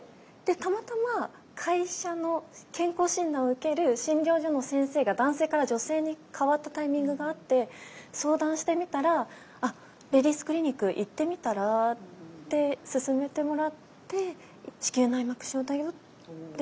でたまたま会社の健康診断を受ける診療所の先生が男性から女性に代わったタイミングがあって相談してみたら「レディースクリニック行ってみたら？」って勧めてもらって「子宮内膜症だよ。